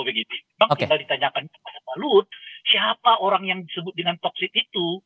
bang kita ditanyakan pak pak lut siapa orang yang disebut dengan foksi itu